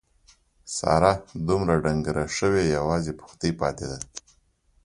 ساره دومره ډنګره شوې یوازې پښتۍ پاتې ده.